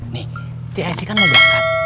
nih csi kan mau berangkat